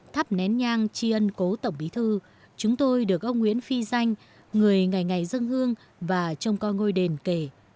thắp nén nhang tri ân cố tổng bí thư chúng tôi được ông nguyễn phi danh người ngày ngày dân hương và trông coi ngôi đền kể